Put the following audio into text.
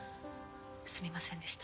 すみませんでした。